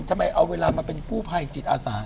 ทำไมเอาเวลามาเป็นกู้ภัยจิตอาสา